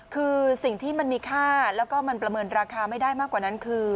คือสิ่งที่มันมีค่าแล้วก็มันประเมินราคาไม่ได้มากกว่านั้นคือ